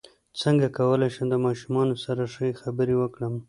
څنګه کولی شم د ماشومانو سره ښه خبرې وکړم